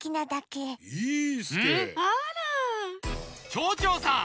ちょうちょうさん！